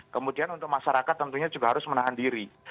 kemudian untuk masyarakat tentunya juga harus menahan diri